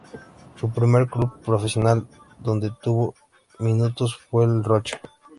Su primer club profesional donde tuvo minutos fue el Rocha.